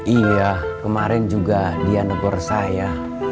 iya kemarin juga dia negor saya